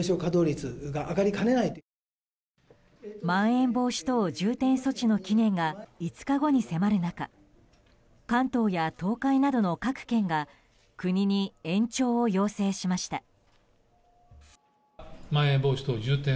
まん延防止等重点措置の期限が５日後に迫る中関東や東海などの各県が国に延長を要請しました。